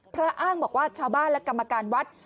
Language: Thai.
อ้างบอกว่าชาวบ้านและกรรมการวัด